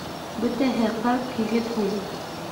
Бөтәһе ҡырҡ һигеҙ һум